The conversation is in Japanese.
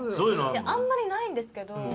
あんまりないんですけど。